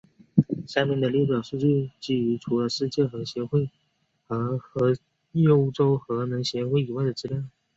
下面的列表数据基于除了世界核协会和欧洲核能协会以外的资料。